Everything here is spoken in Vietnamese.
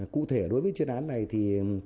cụ thể đối với chuyên án này thì